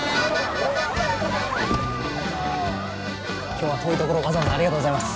今日は遠いところわざわざありがとうございます。